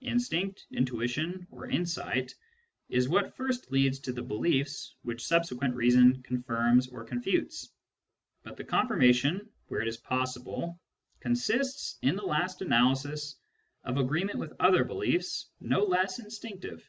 Instinct, intuition, or insight is what first leads to the beliefs which subsequent reason confirms or confutes ; but the confirmation, where it is possible, consists, in the last analysis, of agreement with other beliefs no less instinctive.